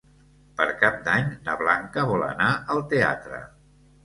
Per Cap d'Any na Blanca vol anar al teatre.